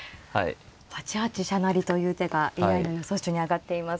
８八飛車成という手がＡＩの予想手に挙がっています。